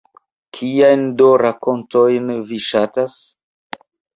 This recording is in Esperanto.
Kiajn do rakontojn vi ŝatas?